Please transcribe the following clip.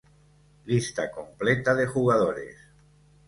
Lista completa de jugadores